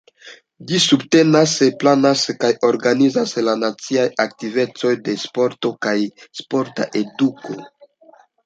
Ĝi subtenas, planas kaj organizas la naciajn aktivecojn de sporto kaj sporta eduko.